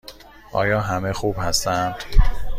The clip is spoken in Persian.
آیا همه خوب هستند؟